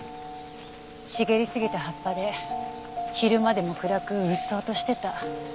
茂りすぎた葉っぱで昼間でも暗くうっそうとしてた。